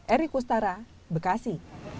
eri kustara bekasi